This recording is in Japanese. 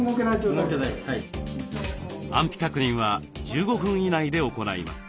安否確認は１５分以内で行います。